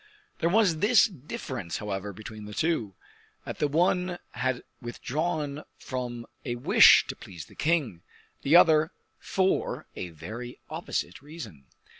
There was this difference, however, between the two, that the one had withdrawn from a wish to please the king, the other for a very opposite reason.